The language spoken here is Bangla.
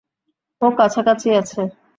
ও কাছাকাছিই আছে।